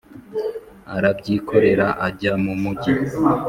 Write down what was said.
Arabyikorera ajya mu mugi